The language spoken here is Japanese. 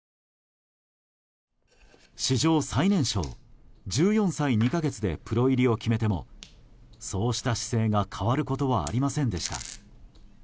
史上最年少１４歳２か月でプロ入りを決めてもそうした姿勢が変わることはありませんでした。